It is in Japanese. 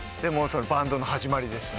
バンドの始まりでした。